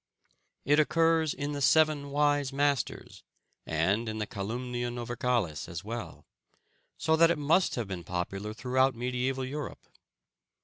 It occurs in the Seven Wise Masters, and in the "Calumnia Novercalis" as well, so that it must have been popular throughout mediæval Europe.